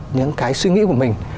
và những cái suy nghĩ của mình